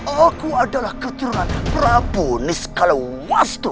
aku adalah keturunan prabu nisqalawastu